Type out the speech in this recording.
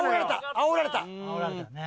あおられたね。